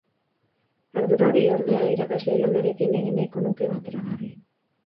Ardura hori, ordea, irakasle lanarekin egin nahiko luke bateragarri.